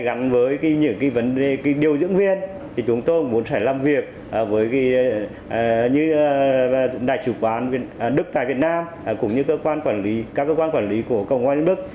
gắn với những vấn đề điều dưỡng viên thì chúng tôi cũng muốn sẽ làm việc với đại chủ quán đức tại việt nam cũng như các cơ quan quản lý của cộng hòa liên bắc